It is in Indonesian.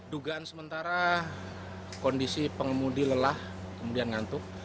dugaan sementara kondisi pengemudi lelah kemudian ngantuk